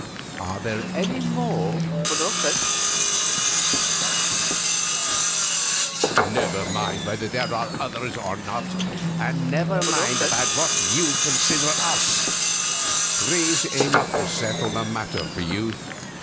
Are there any more?" "Never mind whether there are others or not, and never mind about what you consider us three's enough to settle your matter for you.